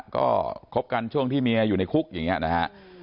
ก็คบกันช่วงที่เมียอยู่ในคุกอย่างนี้นะฮะ